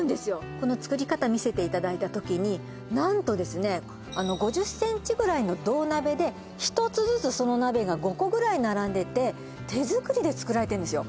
この作り方見せていただいた時に何とですね５０センチくらいの銅鍋で一つずつその鍋が５個くらい並んでて手作りで作られてるんですよ